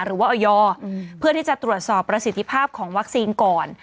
หรือว่าออยเพื่อที่จะตรวจสอบประสิทธิภาพของวัคซีนก่อน